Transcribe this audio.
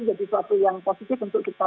jadi suatu yang positif untuk kita